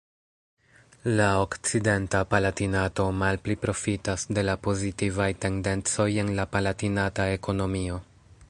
La okcidenta Palatinato malpli profitas de la pozitivaj tendencoj en la Palatinata ekonomio.